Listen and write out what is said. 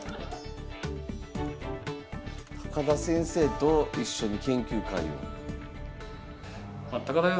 田先生と一緒に研究会を。